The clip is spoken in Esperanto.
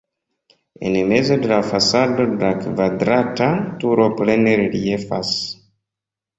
En mezo de la fasado la kvadrata turo plene reliefas.